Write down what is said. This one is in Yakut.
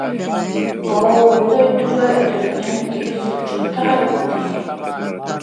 Оо, бу дойдуга өтөрүнэн киһи сылдьыбатах эбит дии